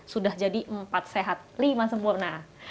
sudah jadi empat sehat lima sempurna